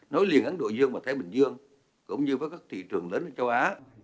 nối liền ấn độ dương và thái bình dương cũng như với các thị trường lớn ở châu á